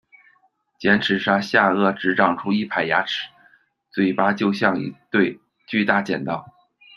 剪齿鲨下腭只长出一排牙齿，嘴巴就像一对巨大剪刀。